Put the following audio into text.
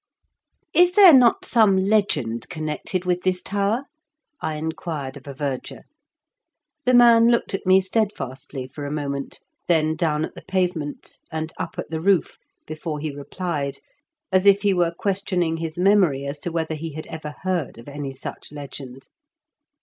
Is there not some legend connected with this tower ?" I inquired of a verger. The man looked at me steadfastly for a moment, then down at the pavement, and up at the roof, before he replied, as if he were questioning his memory as to whether he had ever heard of any such legend.